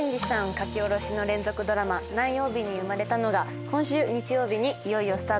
書き下ろしの連続ドラマ『何曜日に生まれたの』が今週日曜日にいよいよスタートします。